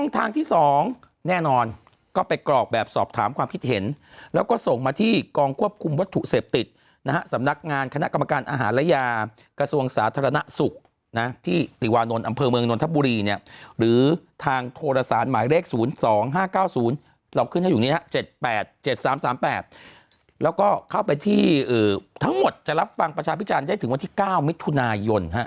ทางที่๒แน่นอนก็ไปกรอกแบบสอบถามความคิดเห็นแล้วก็ส่งมาที่กองควบคุมวัตถุเสพติดนะฮะสำนักงานคณะกรรมการอาหารและยากระทรวงสาธารณสุขนะที่ติวานนท์อำเภอเมืองนนทบุรีเนี่ยหรือทางโทรศาลหมายเลข๐๒๕๙๐เราขึ้นให้อยู่นี้๗๘๗๓๓๘แล้วก็เข้าไปที่ทั้งหมดจะรับฟังประชาพิจารณ์ได้ถึงวันที่๙มิถุนายน